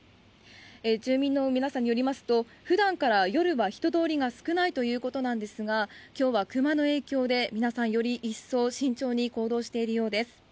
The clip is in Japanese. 住民の皆さんによりますと普段から夜は人通りが少ないということですが今日はクマの影響で皆さん、より一層慎重に行動しているようです。